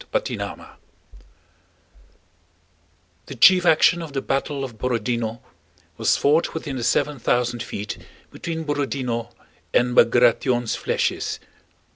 CHAPTER XXXIII The chief action of the battle of Borodinó was fought within the seven thousand feet between Borodinó and Bagratión's flèches.